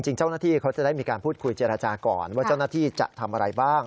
เจ้าหน้าที่เขาจะได้มีการพูดคุยเจรจาก่อนว่าเจ้าหน้าที่จะทำอะไรบ้าง